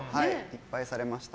いっぱいされました。